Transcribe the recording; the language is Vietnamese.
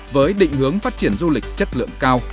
với định hướng phát triển du lịch chất lượng cao